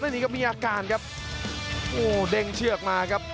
แล้วนี่ก็มีอาการครับโอ้เด่งเชือกมาครับ